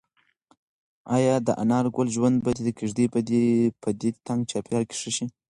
ایا د انارګل ژوند به د کيږدۍ په دې تنګ چاپېریال کې ښه شي؟